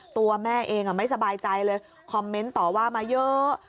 ตัวแม่เองไม่สบายใจเลยคอมเมนต์ต่อว่ามาเยอะ